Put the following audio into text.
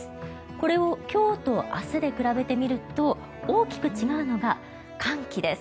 これを今日と明日で比べてみると大きく違うのが寒気です。